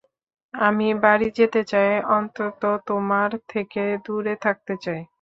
আমি বাড়ি যেতে চাই অন্তত তোমার থেকে দূরে থাকতে চাই।